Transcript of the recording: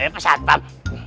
eh pak satpam